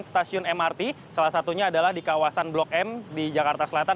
stasiun mrt salah satunya adalah di kawasan blok m di jakarta selatan